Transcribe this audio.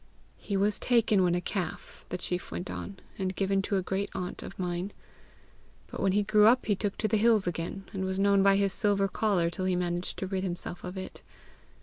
"He was taken when a calf," the chief went on, "and given to a great aunt of mine. But when he grew up, he took to the hills again, and was known by his silver collar till he managed to rid himself of it.